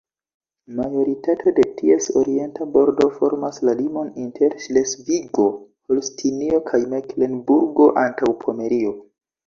Majoritato de ties orienta bordo formas la limon inter Ŝlesvigo-Holstinio kaj Meklenburgo-Antaŭpomerio.